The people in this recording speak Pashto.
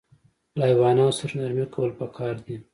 له حیواناتو سره نرمي کول پکار دي.